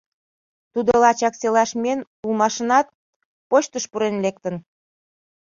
Тудо лачак селаш миен улмашынат, почтыш пурен лектын.